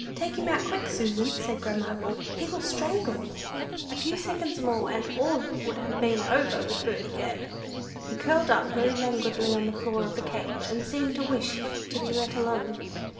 "Take him out quick, Susan," said grandma Read; "he will strangle." A few seconds more and all would have been over with birdie gay. He curled down very languidly on the floor of the cage, and seemed to wish to be let alone.